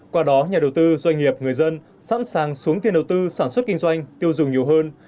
qua đó nhà đầu tư doanh nghiệp người dân sẵn sàng xuống tiền đầu tư sản xuất kinh doanh tiêu dùng nhiều hơn